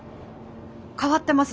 変わってます